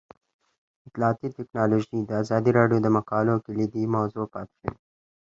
اطلاعاتی تکنالوژي د ازادي راډیو د مقالو کلیدي موضوع پاتې شوی.